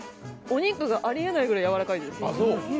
お肉がありえないくらいやわらかいです。